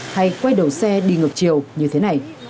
hay quay đầu xe đi ngược chiều như thế này